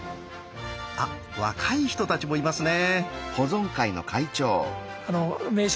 あ若い人たちもいますね。